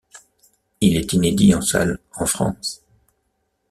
Il est inédit en salle en France.